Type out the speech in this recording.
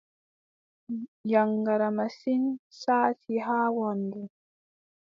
Yaŋgada masin, saati haa waandu.